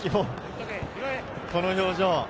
この表情。